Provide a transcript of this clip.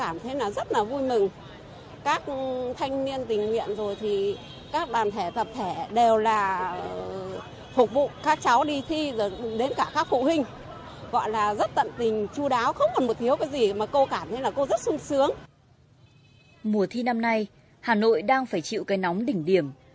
mùa thi năm nay hà nội đang phải chịu cây nóng đỉnh điểm